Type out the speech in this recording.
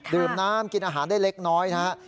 ดื่มน้ำกินอาหารได้เล็กน้อยนะฮะ